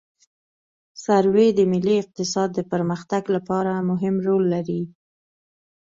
سروې د ملي اقتصاد د پرمختګ لپاره مهم رول لري